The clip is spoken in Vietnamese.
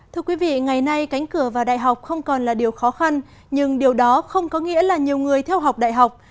thưa quý vị ngày nay cánh cửa vào đại học không còn là điều khó khăn nhưng điều đó không có nghĩa là nhiều người theo học đại học